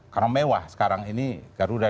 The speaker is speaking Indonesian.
karena mewah sekarang ini garuda